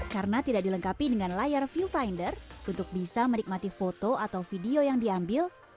karena tidak dilengkapi dengan layar viewfinder untuk bisa menikmati foto atau video yang diambil